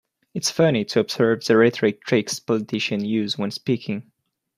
It's funny to observe the rhetoric tricks politicians use when speaking.